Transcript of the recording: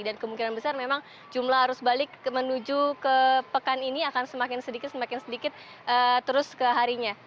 dan kemungkinan besar memang jumlah arus balik menuju ke pekan ini akan semakin sedikit semakin sedikit terus ke harinya